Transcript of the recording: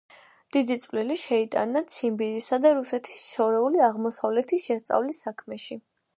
დიდი წვლილი შეიტანა ციმბირისა და რუსეთის შორეული აღმოსავლეთის შესწავლის საქმეში.